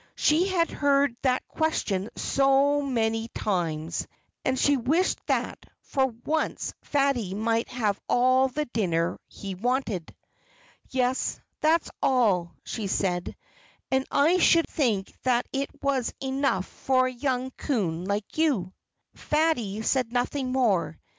She had heard that question so many times; and she wished that for once Fatty might have all the dinner he wanted. "Yes that's all," she said, "and I should think that it was enough for a young coon like you." Fatty said nothing more.